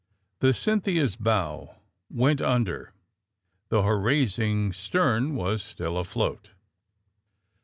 The ^'Cynthia's" bow went under, though her raising stern was still afloat.